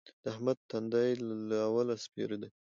د احمد تندی له اوله سپېره دی.